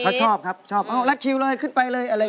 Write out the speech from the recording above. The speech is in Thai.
เขาชอบครับชอบแล้วคิวเลยขึ้นไปเลย